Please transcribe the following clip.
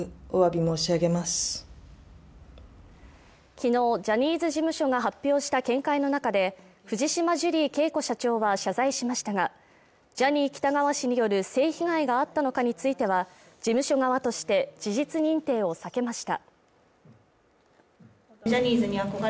昨日ジャニーズ事務所が発表した見解の中で、藤島ジュリー景子社長は謝罪しましたがジャニー喜多川氏による性被害があったのかについては、事務所側として、事実認定を避けました。